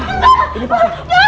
kamu udah gak perlu takut lagi sayang